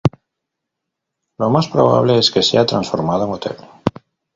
Lo más probable es que sea transformado en hotel.